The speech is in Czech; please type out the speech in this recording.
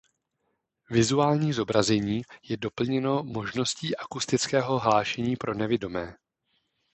Vizuální zobrazení je doplněno možností akustického hlášení pro nevidomé.